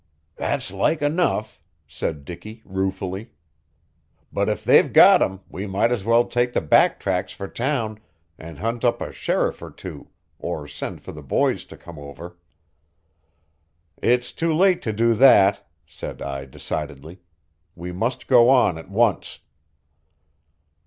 "That's like enough," said Dicky ruefully. "But if they've got him, we might as well take the back tracks for town and hunt up a sheriff or two, or send for the boys to come over." "It's too late to do that," said I decidedly. "We must go on at once."